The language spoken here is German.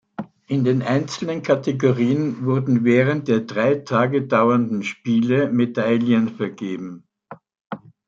In den einzelnen Kategorien wurden während der drei Tage dauernden Spiele Medaillen vergeben.